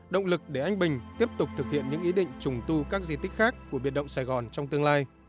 động lực để anh bình tiếp tục thực hiện những ý định trùng tu các di tích khác của biệt động sài gòn